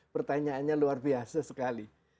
pertanyaannya luar biasa sekali